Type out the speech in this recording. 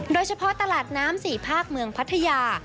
โดยเฉพาะตลาดน้ำ๔ภาคเมืองพัทยา